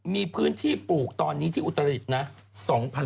มีพื้นที่ปลูกตอนนี้ที่อุตรฤษนะ